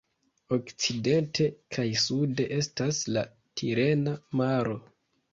Okcidente kaj sude estas la Tirena Maro.